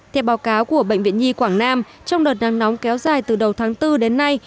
theo báo cáo của bệnh viện nhi quảng nam trong đợt nắng nóng kéo dài từ đầu tháng bốn đến nay